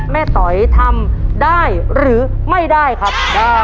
ต๋อยทำได้หรือไม่ได้ครับ